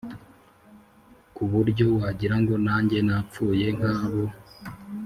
kuburyo wagirango najye napfuye nkabo